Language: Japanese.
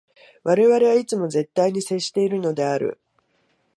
我々はいつも絶対に接しているのである。